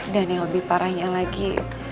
dan yang lebih parahnya lagi